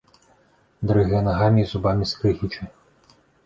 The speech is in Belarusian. Дрыгае нагамі й зубамі скрыгіча.